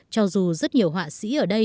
cho dù rất nhiều họa sĩ ở đây